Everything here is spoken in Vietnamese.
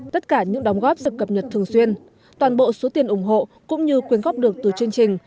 tất cả những đóng góp được cập nhật thường xuyên toàn bộ số tiền ủng hộ cũng như quyên góp được từ chương trình